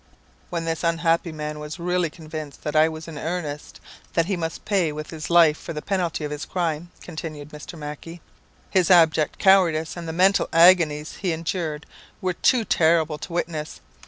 "When this unhappy man was really convinced that I was in earnest that he must pay with his life the penalty of his crime," continued Mr. Mac ie, "his abject cowardice and the mental agonies he endured were too terrible to witness.